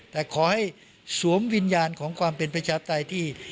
แต่ขอให้สวมวิญญาณของความเป็นประชาปไตยที่